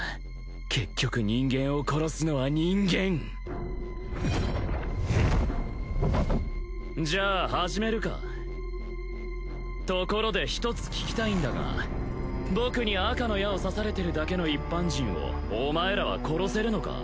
結局人間を殺すのは人間じゃあ始めるかところで一つ聞きたいんだが僕に赤の矢を刺されてるだけの一般人をお前らは殺せるのか？